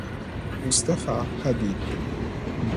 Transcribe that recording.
Mustafa Hadid